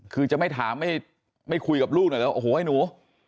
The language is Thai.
คือจะไม่ถามไม่คุยกับลูกหน่อยแล้วโอ้โหไอ้หนู